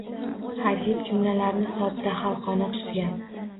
Adib jumlalarni sodda, xalqona tuzgan.